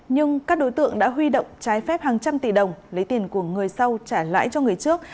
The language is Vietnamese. nhưng các đối tượng đã huy động trái phép hàng trăm tỷ đồng lấy tiền của người sau trả lãi cho người trước